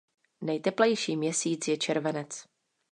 Nejteplejší měsíc je červenec.